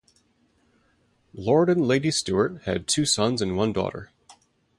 Lord and Lady Stuart had two sons and one daughter.